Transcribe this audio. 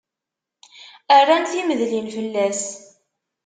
Rran timedlin fell-as.